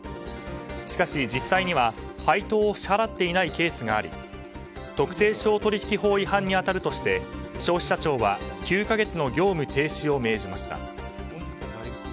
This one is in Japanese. しかし実際には配当を支払っていないケースがあり特定商取引法違反に当たるとして消費者庁は９か月の業務停止を命じました。